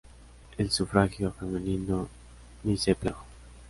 El sufragio femenino ni se planteó.